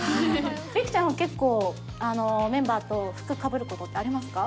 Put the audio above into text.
リクちゃん、結構メンバーと服かぶることってありますか？